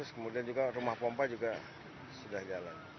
kemudian juga rumah pompa juga sudah jalan